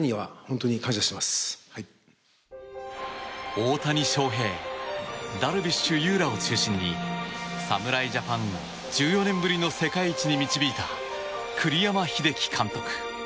大谷翔平、ダルビッシュ有らを中心に侍ジャパンを１４年ぶりの世界一に導いた栗山英樹監督。